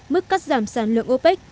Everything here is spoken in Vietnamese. mức cắt giảm sản lượng opec